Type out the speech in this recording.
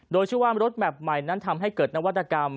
โดยชื่อว่ารถแมพใหม่นั้นทำให้เกิดนวัตกรรม